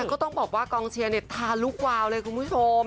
ก็ต้องบอกว่ากองเชียร์เนี่ยตาลุกวาวเลยคุณผู้ชม